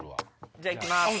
じゃあいきます。